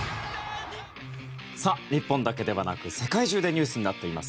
さあ、日本だけではなく世界中でニュースになっています